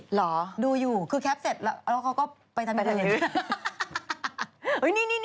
เหรอดูอยู่คือแคปเสร็จแล้วเขาก็ไปทั้งนี้